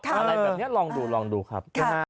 อะไรแบบนี้ลองดูลองดูครับ